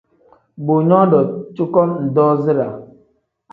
Bo ngdu cuko doozi da.